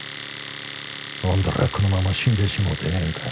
おんどりゃあこのまま死んでしもうてええんか？